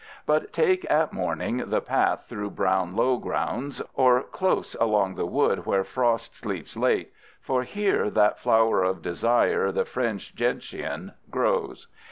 But take at morning the path through brown lowgrounds, or close along the wood where frost sleeps late, for here that flower of desire, the fringed gentian, grows.